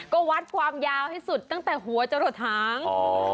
ก็วัดความยาวให้สุดตั้งแต่หัวจะหลดหาง